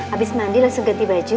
habis mandi langsung ganti baju